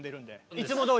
いつもどおり。